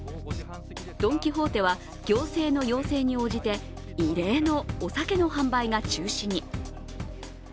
ドン・キホーテは、行政の要請に応じて異例のお酒の販売が中止に。